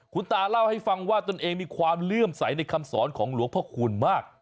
คุณตาเล่าให้ฟังว่าตนเองมีความเลื่อมใสในคำสอนของหลวงพ่อคูณมาก